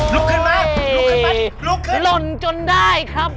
ลุกขึ้นลุกขึ้นลนจนได้ครับ